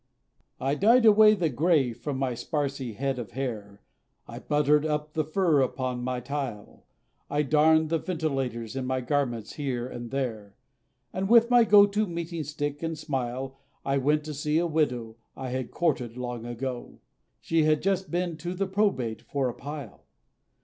I DYED away the grey, from my sparsy head of hair, I buttered up the fur upon my tile, I darned the ventilators in my garments here, and there, And with my go to meeting stick, and smile, I went to see a widow, I had courted long ago; She had just been to the Probate for a pile!